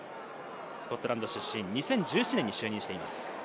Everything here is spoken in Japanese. スコットランド出身、２０１７年に就任しています。